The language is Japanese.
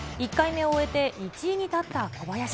１回目を終えて１位に立った小林。